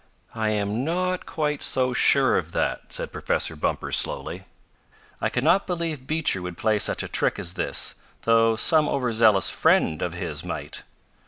"I am not quite so sure of that," said Professor Bumper slowly. "I can not believe Beecher would play such a trick as this, though some over zealous friend of his might."